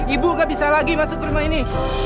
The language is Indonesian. ibu gak bisa lagi masuk ke rumah ini